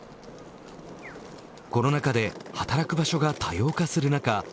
コロナ禍で働く場所が多様化する中